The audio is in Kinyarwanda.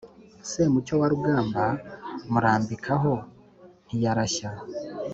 semucyo wa rugamba murambika aho ntiyarashya